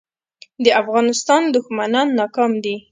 د افغانستان دښمنان ناکام دي